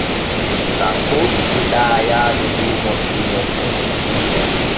Tanko yiɗaa yaadu luumo finne fu.